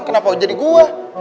kenapa jadi gua